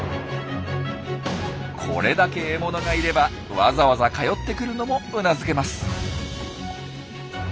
これだけ獲物がいればわざわざ通ってくるのもうなずけます。